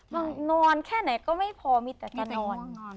นอนแค่ไหนก็ไม่พอมีแต่แกนอน